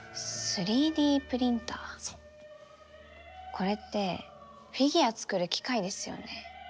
これってフィギュア作る機械ですよね。